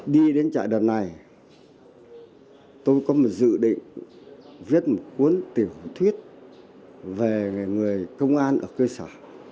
đi đến trại đợt này tôi có một dự định viết một cuốn tiểu thuyết về người công an ở cơ sở